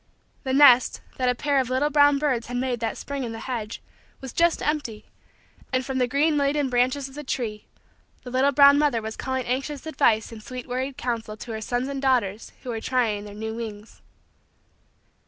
The nest, that a pair of little brown birds had made that spring in the hedge, was just empty, and, from the green laden branches of the tree, the little brown mother was calling anxious advice and sweet worried counsel to her sons and daughters who were trying their new wings.